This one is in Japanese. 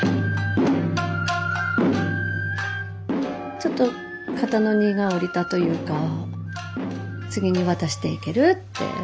ちょっと肩の荷が下りたというか次に渡していけるって。